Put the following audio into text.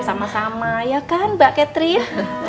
sama sama ya kan mbak catria